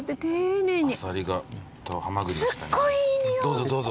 どうぞどうぞ。